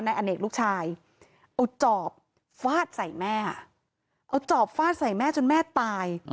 อเนกลูกชายเอาจอบฟาดใส่แม่เอาจอบฟาดใส่แม่จนแม่ตาย